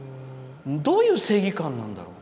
どういう正義感なんだろう。